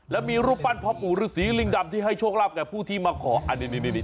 และมีรูปปั้นพ่อปู่ฤษีลิงดำที่ให้โชคลาภแก่ผู้ที่มาขออันนี้